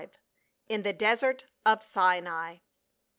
IN THE DESERT OF SINAI.